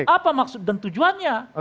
apa maksud dan tujuannya